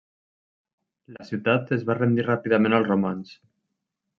La ciutat es va rendir ràpidament als romans.